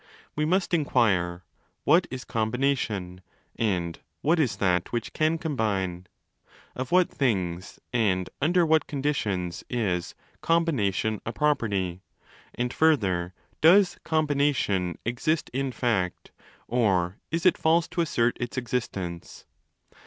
We must inquire: What is 'combination', and what is that which can 'combine'? Of what things, and under what conditions, is 'combination' a property? And, further, does 'combination' exist in fact, or is it false to assert its existence